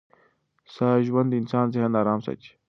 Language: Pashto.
ساده ژوند د انسان ذهن ارام ساتي.